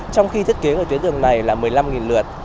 trong khi thiết kế ở tuyến đường này là một mươi năm lượt